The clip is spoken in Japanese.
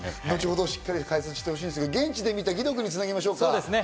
後ほどしっかり解説してほしいんですが、現地で見た義堂君につなぎましょう。